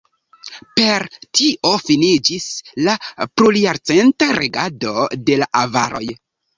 Per tio finiĝis la plurjarcenta regado de la avaroj.